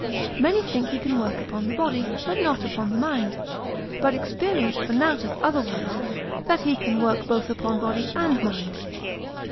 Many think he can work upon the body, but not upon the mind. But experience pronounceth otherwise, that he can work both upon body and mind.